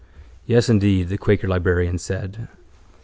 —Yes, indeed, the quaker librarian said.